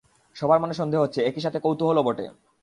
সবার মনে সন্দেহ হচ্ছে, একইসাথে কৌতুহলও বটে।